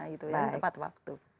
nah itu ya tepat waktu